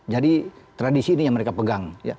jadi tradisi ini yang mereka pegang